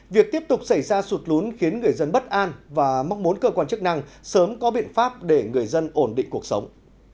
việc tiếp tục xảy ra sụt lún khiến người dân bất an và mong muốn cơ quan chức năng sớm có biện pháp để người dân ổn định cuộc sống